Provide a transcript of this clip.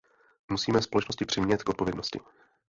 Musíme společnosti přimět k odpovědnosti.